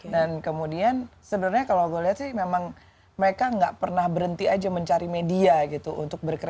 dan kemudian sebenarnya kalau gue lihat sih memang mereka gak pernah berhenti aja mencari media gitu untuk berkarya